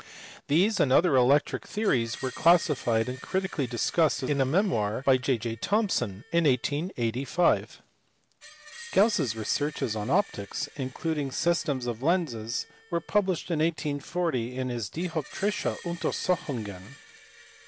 These and other electric theories were classified and critically discussed in a memoir by J. J. Thomson in 1885 (see below, p. 497). Gauss s researches on optics, including systems of lenses, were published in 1840 in his Dioptrische Untersuchungen.